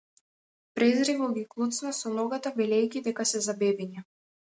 Презриво ги клоцна со ногата велејќи дека се за бебиња.